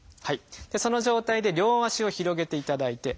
その状態で両足を広げていただいて。